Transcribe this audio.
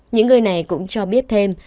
những người này cũng cho biết thêm